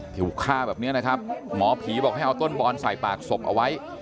ถูกฆ่าแบบนี้นะครับหมอผีบอกให้เอาต้นบอนใส่ปากศพเอาไว้